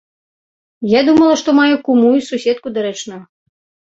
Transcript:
Я думала, што маю куму і суседку дарэчную.